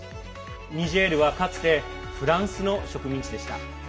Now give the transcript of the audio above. ニジェールはかつてフランスの植民地でした。